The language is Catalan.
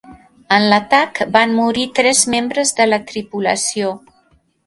En l'atac van morir tres membres de la tripulació.